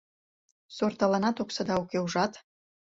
Сорталанат оксада уке, ужат!